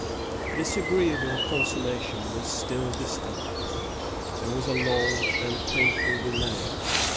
This agreeable consummation was still distant. There was a long and painful delay.